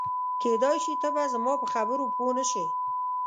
کېدای شي ته به زما په خبرو پوه نه شې.